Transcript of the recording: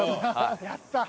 やった！